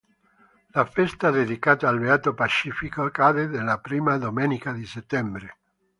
La festa dedicata al Beato Pacifico cade nella prima domenica di settembre.